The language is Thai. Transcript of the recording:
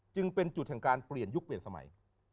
จึงเป็นจุดแห่งการเปลี่ยนยุคเปลี่ยนสมัย